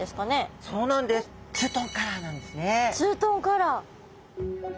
ツートンカラー。